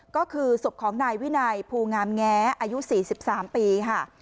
ก็คือศพของนายวินัยภูงามแง้อายุ๔๓ปีค่ะ